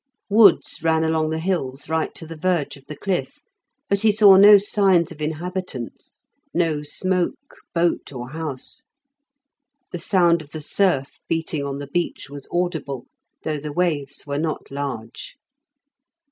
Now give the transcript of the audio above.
Woods ran along the hills right to the verge of the cliff, but he saw no signs of inhabitants, no smoke, boat, or house. The sound of the surf beating on the beach was audible, though the waves were not large.